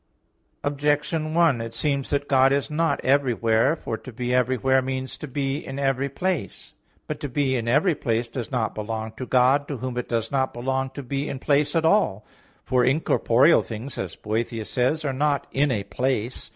Objection 1: It seems that God is not everywhere. For to be everywhere means to be in every place. But to be in every place does not belong to God, to Whom it does not belong to be in place at all; for "incorporeal things," as Boethius says (De Hebdom.), "are not in a place."